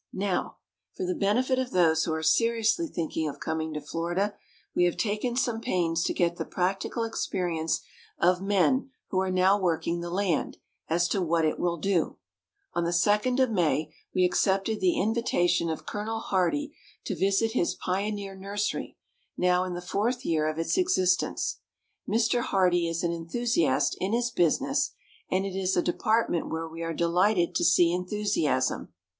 Now, for the benefit of those who are seriously thinking of coming to Florida, we have taken some pains to get the practical experience of men who are now working the land, as to what it will do. On the 2d of May, we accepted the invitation of Col. Hardee to visit his pioneer nursery, now in the fourth year of its existence. Mr. Hardee is an enthusiast in his business; and it is a department where we are delighted to see enthusiasm.